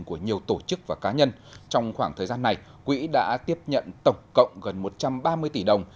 của nhiều tổ chức và cá nhân trong khoảng thời gian này quỹ đã tiếp nhận tổng cộng gần một trăm ba mươi tỷ đồng